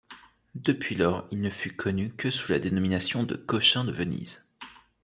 Depuis lors, il ne fut connu que sous la dénomination de Cochin de Venise.